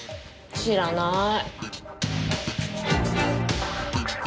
知らない。